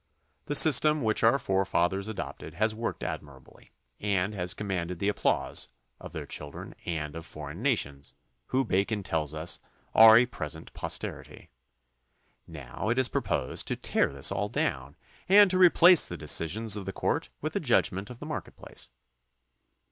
The system which our forefathers adopted has worked admirably and has commanded the applause of their children and of foreign nations, who Bacon tells us are a present posterity. Now it is proposed to tear this all down and to replace the decisions of the court with the judgment of the market place.